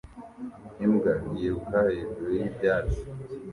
Imbwa yiruka hejuru y'ibyatsi